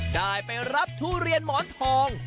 ได้ไปรับทุเรียนหมอนทอง